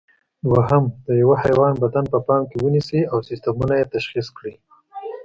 دوهم: د یوه حیوان بدن په پام کې ونیسئ او سیسټمونه یې تشخیص کړئ.